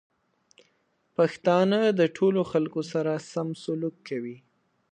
پښتانه د ټولو خلکو سره سم سلوک کوي.